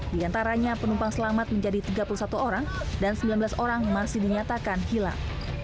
di antaranya penumpang selamat menjadi tiga puluh satu orang dan sembilan belas orang masih dinyatakan hilang